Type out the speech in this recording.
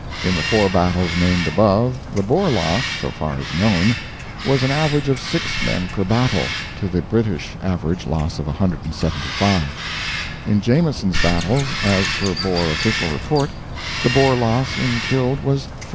In the 4 battles named above, the Boer loss, so far as known, was an average of 6 men per battle, to the British average loss of 175. In Jameson's battles, as per Boer official report, the Boer loss in killed was 4.